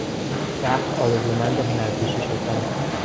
سخت آرزومند هنرپیشه شدن